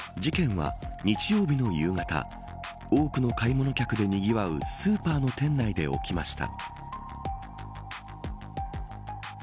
事件は、日曜日の夕方多くの買い物客で、にぎわうスーパーの店内で起きました。